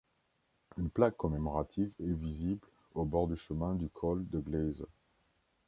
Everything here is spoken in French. Une plaque commémorative est visible au bord du chemin du col de Gleize.